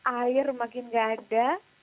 air makin nggak ada